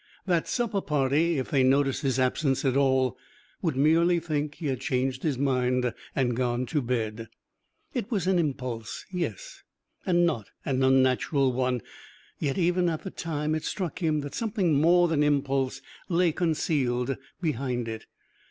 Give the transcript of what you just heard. That supper party, if they noticed his absence at all, would merely think he had changed his mind and gone to bed. It was an impulse, yes, and not an unnatural one; yet even at the time it struck him that something more than impulse lay concealed behind it.